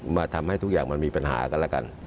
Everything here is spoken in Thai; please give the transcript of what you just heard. มาทำให้ทุกอย่างมันมีปัญหากันแล้วกัน